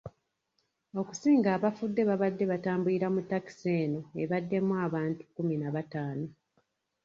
Okusinga abafudde babadde batambulira mu takisi eno ebaddemu abantu kkumi na bataano.